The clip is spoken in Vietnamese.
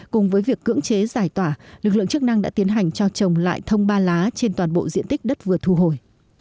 cùng với việc cưỡng chế giải tỏa lực lượng chức năng đã tiến hành cho trồng lại thông ba lá trên toàn bộ diện tích đất vừa thu hồi